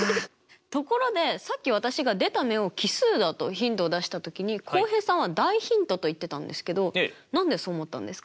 ところでさっき私が出た目を奇数だとヒントを出した時に浩平さんは大ヒントと言ってたんですけど何でそう思ったんですか？